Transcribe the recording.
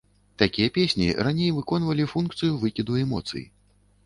Такія песні раней выконвалі функцыю выкіду эмоцый.